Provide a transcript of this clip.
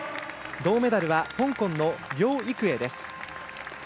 銅メダルは香港の梁育栄です。